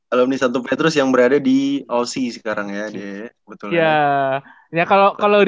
alumni santo petrus yang berada di olsi sekarang ya